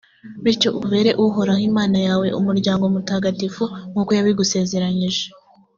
bityo ubere uhoraho imana yawe umuryango mutagatifu, nk’uko yabigusezeranyije.